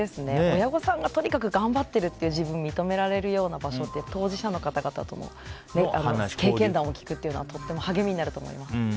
親御さんが頑張ってる自分を認められるような場所で当事者の方々の経験談を聞くのもとっても励みになると思います。